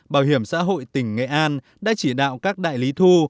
bảo hiểm xã hội tỉnh nghệ an đã chỉ đạo các đại lý thu